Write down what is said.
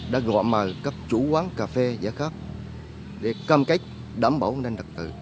đã gọi mời các chủ quán cà phê giả khắp để cơm cách đảm bảo nâng đặc tự